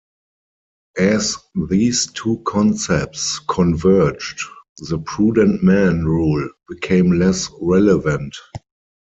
As these two concepts converged, the Prudent Man Rule became less relevant.